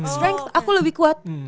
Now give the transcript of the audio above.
strength aku lebih kuat